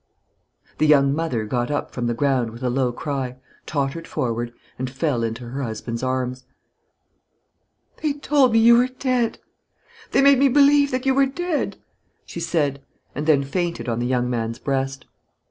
The young mother got up from the ground with a low cry, tottered forward, and fell into her husband's arms. "They told me you were dead! They made me believe that you were dead!" she said, and then fainted on the young man's breast.